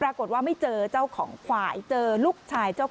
สองสามีภรรยาคู่นี้มีอาชีพ